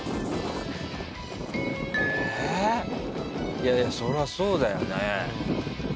いやいやそりゃそうだよね。